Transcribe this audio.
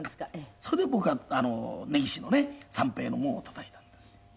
それで僕は根岸のね三平の門をたたいたんですよ。